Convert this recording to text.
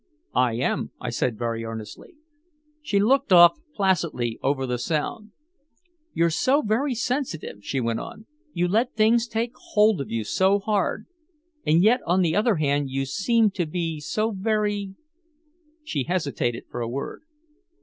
"I am," I said very earnestly. She looked off placidly over the Sound. "You're so very sensitive," she went on. "You let things take hold of you so hard. And yet on the other hand you seem to be so very " she hesitated for a word.